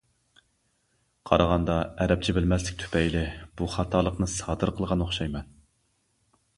قارىغاندا ئەرەبچە بىلمەسلىك تۈپەيلى بۇ خاتالىقنى سادىر قىلغان ئوخشايمەن.